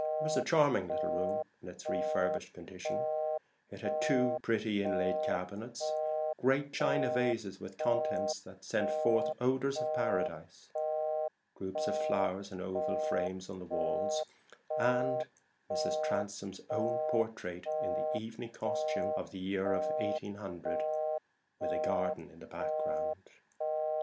It was a charming little room in its refurbished condition: it had two pretty inlaid cabinets, great china vases with contents that sent forth odors of paradise, groups of flowers in oval frames on the walls, and Mrs. Transome's own portrait in the evening costume of 1800, with a garden in the background.